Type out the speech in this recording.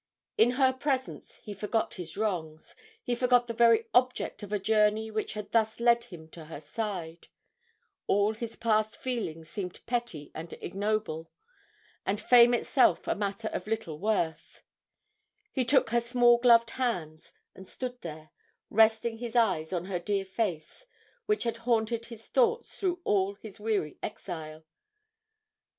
In her presence he forgot his wrongs, he forgot the very object of a journey which had thus led him to her side, all his past feelings seemed petty and ignoble, and fame itself a matter of little worth; he took her small gloved hands and stood there, resting his eyes on the dear face which had haunted his thoughts through all his weary exile.